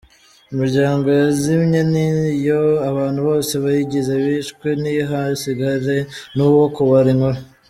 Imiryango yazimye ni iyo abantu bose bayigize bishwe ntihasigare n’uwo kubara inkuru.